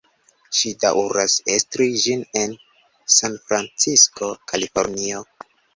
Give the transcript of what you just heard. Ŝi daŭras estri ĝin en Sanfrancisko, Kalifornio.